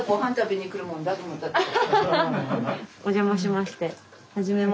お邪魔しまして。